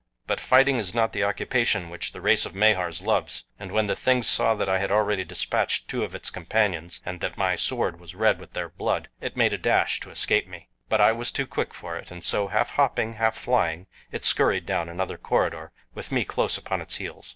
But fighting is not the occupation which the race of Mahars loves, and when the thing saw that I already had dispatched two of its companions, and that my sword was red with their blood, it made a dash to escape me. But I was too quick for it, and so, half hopping, half flying, it scurried down another corridor with me close upon its heels.